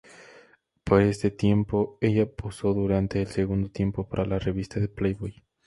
Por este tiempo ella posó durante el segundo tiempo para la revista de Playboy.